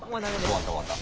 終わった終わった。